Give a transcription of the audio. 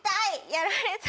やられた。